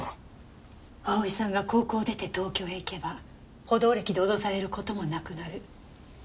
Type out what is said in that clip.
蒼さんが高校を出て東京へ行けば補導歴で脅される事もなくなる。